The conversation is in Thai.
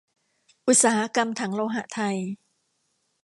อุตสาหกรรมถังโลหะไทย